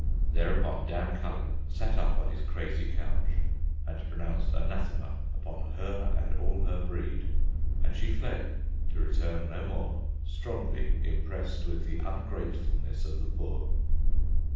Thereupon Dan Cullen sat up on his crazy couch and pronounced anathema upon her and all her breed; and she fled, to return no more, strongly impressed with the ungratefulness of the poor.